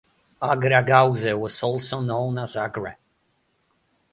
Agra gauze was also known as Agre.